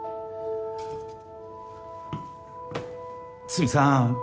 筒見さん。